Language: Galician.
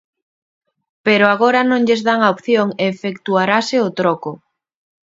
Pero agora non lles dan opción e efectuarase o troco.